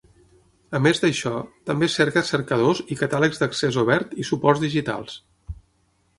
A més d'això, també cerca cercadors i catàlegs d'accés obert i suports digitals.